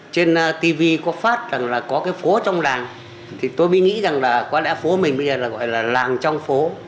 trên tv có phát rằng là có cái phố trong làng thì tôi mới nghĩ rằng là có lẽ phố mình bây giờ là gọi là làng trong phố